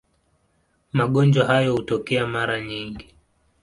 Magonjwa hayo hutokea mara nyingi.